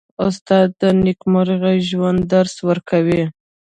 استاد د نېکمرغه ژوند درس ورکوي.